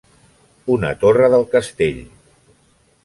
Una torre del castell.